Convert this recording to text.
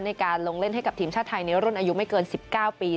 ในการลงเล่นให้กับทีมชาติไทยในรุ่นอายุไม่เกิน๑๙ปี